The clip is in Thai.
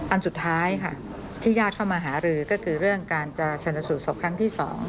อันสุดท้ายค่ะที่ญาติเข้ามาหารือก็คือเรื่องการจะชนสูตรศพครั้งที่๒